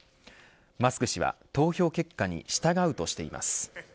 マスク氏は投票結果に従うとしています。